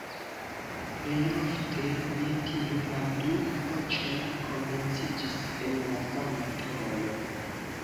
Plejofte je tio la du voĉoj komenciĝis en la sama tono.